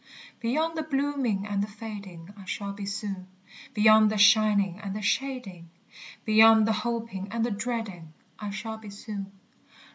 _ Beyond the blooming and the fading I shall be soon; Beyond the shining and the shading, Beyond the hoping and the dreading, I shall be soon.